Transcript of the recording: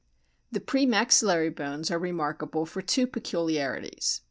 The pre maxillary bones are remarkable for two peculiarities.